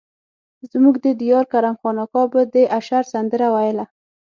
زموږ د ديار کرم خان اکا به د اشر سندره ويله.